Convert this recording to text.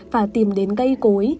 và tìm đến cây cối